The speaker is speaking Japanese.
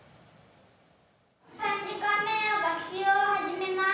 ３時間目の学習を始めます。